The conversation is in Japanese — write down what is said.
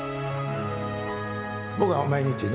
僕は毎日ね